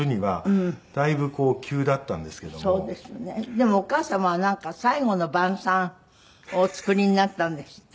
でもお母様はなんか最後の晩餐をお作りになったんですって？